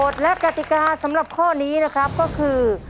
และกติกาสำหรับข้อนี้นะครับก็คือ